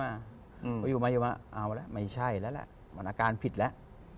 เขาอยู่มาอยู่มาเอาแล้วไม่ใช่แล้วแหละมันอาการผิดแล้ว